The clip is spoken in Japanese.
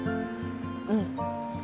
うん。